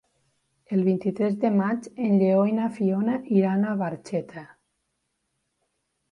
El vint-i-tres de maig en Lleó i na Fiona iran a Barxeta.